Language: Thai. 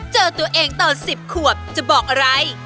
เจอตัวเองตอน๑๐ขวบจะบอกอะไร